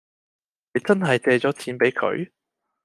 你真係借咗錢畀佢？